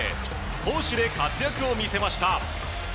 攻守で活躍を見せました。